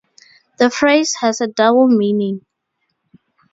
The phrase has a double meaning.